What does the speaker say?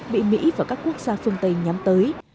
bị mỹ và các quốc gia phương tây nhắm tới